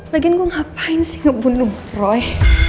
lagiin gue ngapain sih ngebunuh roy